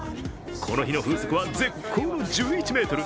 この日の風速は絶好の１１メートル。